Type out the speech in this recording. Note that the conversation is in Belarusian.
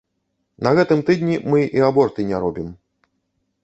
На гэтым тыдні мы і аборты не робім.